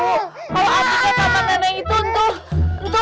kalo adiknya kata nenek itu